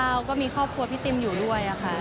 แล้วก็มีครอบครัวพี่ติมอยู่ด้วยค่ะ